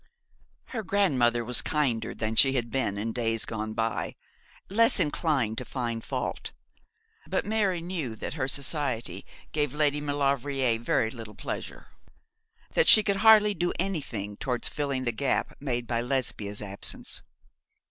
Her grandmother was kinder than she had been in days gone by, less inclined to find fault; but Mary knew that her society gave Lady Maulevrier very little pleasure, that she could do hardly anything towards filling the gap made by Lesbia's absence.